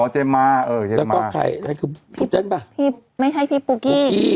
อ๋อเจมมาเออเจมมาแล้วก็ใครนั่นคือพุธเล่นป่ะพี่ไม่ใช่พี่ปุกกี้ปุกกี้